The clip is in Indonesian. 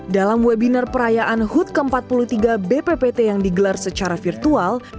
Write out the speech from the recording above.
dalam webinar perayaan hud ke empat puluh tiga bppt yang digelar secara virtual